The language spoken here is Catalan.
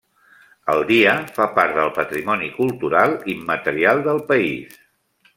El dia fa part del patrimoni cultural immaterial del país.